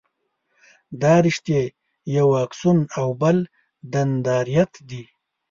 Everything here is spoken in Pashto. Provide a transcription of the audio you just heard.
دا رشتې یو اکسون او بل دنداریت دي.